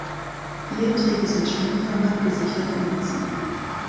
Hier trieb es mit Schwimmkörpern gesichert im Wasser.